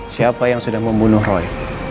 siapa yang sudah membunuh roy